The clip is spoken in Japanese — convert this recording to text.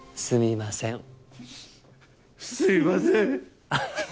すみません。